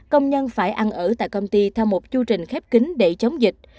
công nhân phải ăn ở tại công ty theo một chư trình khép kính để chống dịch